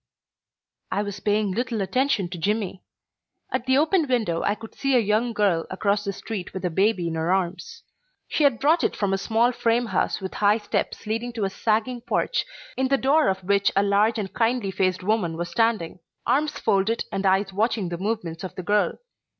I was paying little attention to Jimmy. At the open window I could see a young girl across the street with a baby in her arms. She had brought it from a small frame house with high steps leading to a sagging porch, in the door of which a large and kindly faced woman was standing, arms folded and eyes watching the movements of the girl.